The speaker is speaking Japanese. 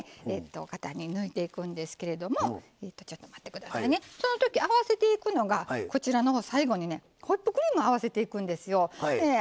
型に抜いていくんですけれどもその時あわせていくのがこちらの最後にねホイップクリームをあわせていくんですよ。